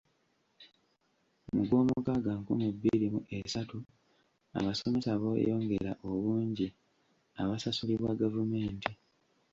Mu Gwomukaaga nkumi bbiri mu esatu, abasomesa beeyongera obungi abasasulibwa gavumenti.